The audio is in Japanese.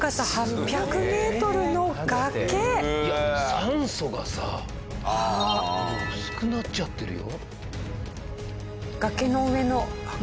酸素がさ薄くなっちゃってるよ。